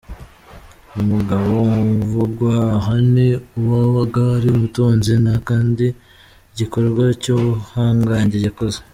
Umugabo: Uvugwa aha, ni uwabaga ari umutunzi, nta kindi gikorwa cy’ubuhangange yakoze.